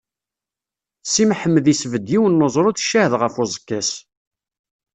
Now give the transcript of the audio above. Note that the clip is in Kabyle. Si Mḥemmed isbedd yiwen n uẓru d ccahed ɣef uẓekka-s.